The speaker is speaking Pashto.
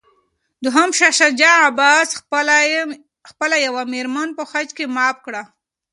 دوهم شاه عباس خپله یوه مېرمن په حج کې معاف کړه.